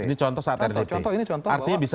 ini contoh saat rdp artinya bisa